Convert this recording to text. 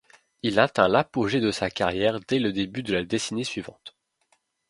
Il atteint l'apogée de sa carrière dès le début de la décennie suivante.